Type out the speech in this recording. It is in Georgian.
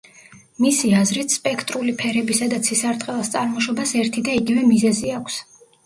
მისი აზრით, სპექტრული ფერებისა და ცისარტყელას წარმოშობას ერთი და იგივე მიზეზი აქვს.